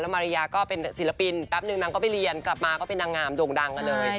แล้วเมรียก็เป็นศิลปินแป๊บหนึ่งนางก็ไปเรียนกลับมาก็เป็นนางงามดวงดังละเลย